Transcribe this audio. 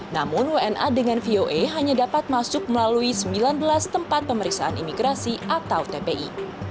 namun wna dengan voa hanya dapat masuk melalui sembilan belas tempat pemeriksaan imigrasi atau tpi